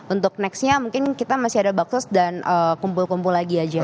untuk nextnya mungkin kita masih ada baksos dan kumpul kumpul lagi aja